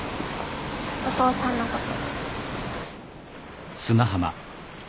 お父さんのこと。